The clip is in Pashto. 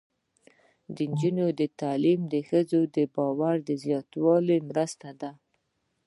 د نجونو تعلیم د ښځو باور زیاتولو مرسته ده.